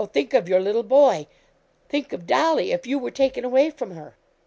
think of your little boy think of Dolly if you were taken away from her.'